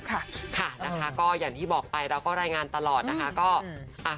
ค่ะอย่างที่บอกไปเราก็รายงานตลอดนะคะ